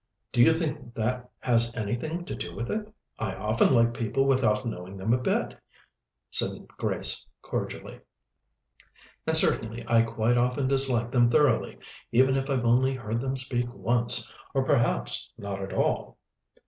"Do you think that has anything to do with it? I often like people without knowing them a bit," said Grace cordially; "and certainly I quite often dislike them thoroughly, even if I've only heard them speak once, or perhaps not at all."